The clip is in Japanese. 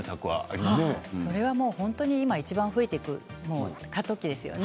それは今、本当に増えていく過渡期ですよね。